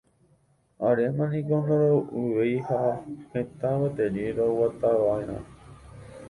Aréma niko ndoroy'uvéi ha heta gueteri roguatava'erã.